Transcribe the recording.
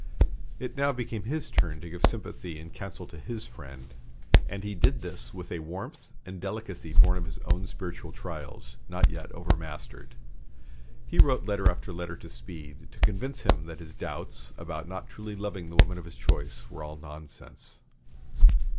It now became his turn to give sympathy and counsel to his friend, and he did this with a warmth and delicacy born of his own spiritual trials, not yet entirely overmastered. He wrote letter after letter to Speed to convince him that his doubts about not truly loving the woman of his choice were all nonsense.